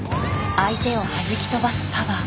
相手をはじき飛ばすパワー。